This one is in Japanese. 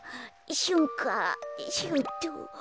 しゅんかしゅうとう。